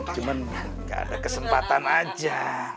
cuman gak ada kesempatan aja